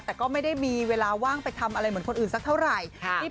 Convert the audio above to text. แต่ก็ไม่ได้มีเวลาว่างไปทำอะไรเหมือนคนอื่นสักเท่าไหร่